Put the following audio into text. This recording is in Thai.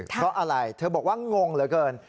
เพราะอะไรเธอบอกว่างงเหลือเกิน